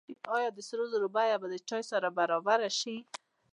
آیا د سرو زرو بیه به د چای سره برابره شي؟